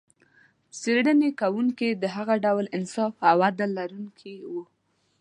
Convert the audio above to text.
څېړنې کوونکي د هغه ډول انصاف او عدل لرونکي و.